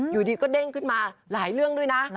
อยู่ดีก็เด้งขึ้นมาหลายเรื่องด้วยนะ